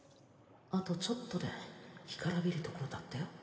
あとちょっとで干からびるところだったよ